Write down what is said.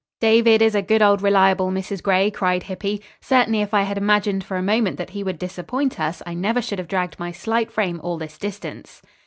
"David is a good old reliable, Mrs. Gray," cried Hippy. "Certainly if I had imagined for a moment that he would disappoint us, I never should have dragged my slight frame all this distance."